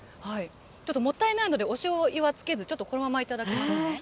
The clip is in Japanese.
ちょっともったいないので、おしょうゆはつけず、ちょっとこのままいただきますね。